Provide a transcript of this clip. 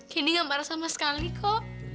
kini gak marah sama sekali kok